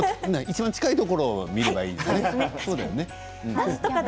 いちばん近いところを見ればいいんですね。